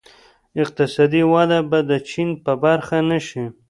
اقتصادي وده به د چین په برخه نه شي.